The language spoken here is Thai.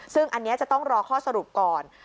ซึ่งอันนี้จะต้องรอข้อสรุปก่อน